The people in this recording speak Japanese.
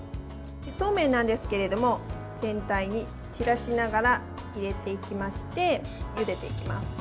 そうめんなんですけれども全体に散らしながら入れていきましてゆでていきます。